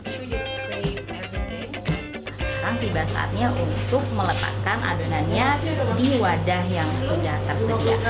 sekarang tiba saatnya untuk meletakkan adonannya di wadah yang sudah tersedia